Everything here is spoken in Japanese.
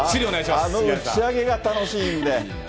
あの打ち上げが楽しいんで。